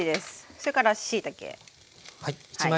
それからしいたけ。